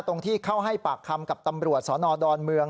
ตรงที่เข้าให้ปากคำกับตำรวจสนดอนเมือง